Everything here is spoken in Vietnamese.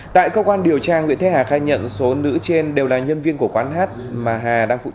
tại cơ quan điều tra nguyễn thế hà khai nhận số nữ trên đều là nhân viên của quán hát mà hà đang phụ